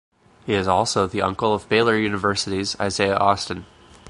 He is also the uncle of Baylor University's Isaiah Austin.